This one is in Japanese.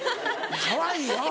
かわいいよ。